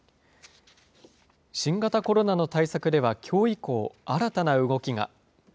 新型コロナの対策ではきょう以降、新たな動きが。